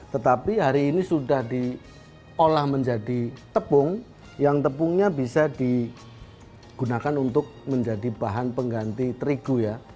tetapi hari ini sudah diolah menjadi tepung yang tepungnya bisa digunakan untuk menjadi bahan pengganti terigu ya